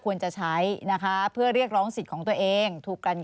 ควรจะใช้นะคะเพื่อเรียกร้องสิทธิ์ของตัวเองถูกกัน